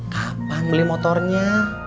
kapan beli motornya